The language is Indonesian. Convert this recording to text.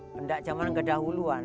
nggak zaman kedahuluan